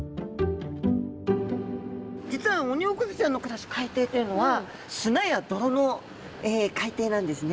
実はオニオコゼちゃんの暮らす海底というのは砂や泥の海底なんですね。